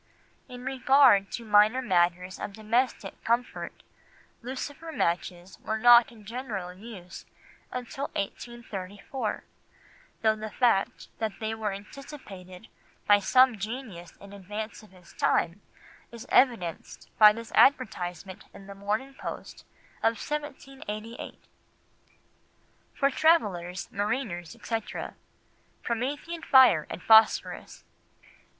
In regard to minor matters of domestic comfort, lucifer matches were not in general use until 1834, though the fact that they were anticipated by some genius in advance of his time is evidenced by this advertisement in the Morning Post of 1788— "For Travellers, Mariners, etc., Promethean Fire and Phosphorus.